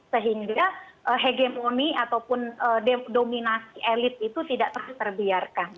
sehingga hegemoni ataupun dominasi elit itu tidak terbiarkan